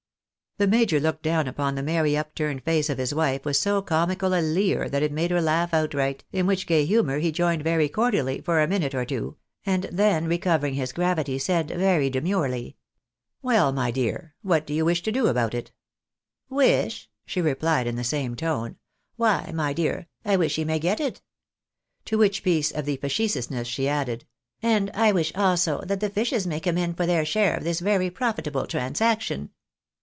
The major looked down upon the merry upturned face of hi' ■wife with so comical a leer that it made her laugh outright, in 264 THE BASJIAUYS II," AivituiOA. which gay humour he joined very cordially for a minute or two, and then, recovering his gravity, said, very demurely —" Well, my dear, what do you wish to do about it? "" Wish? " she replied in the same tone, " why, my dear, I wish he may get it." To which piece of facetiousness she added, " and I wish, also, that the fishes may come in for their shaiia of this very profitable transaction."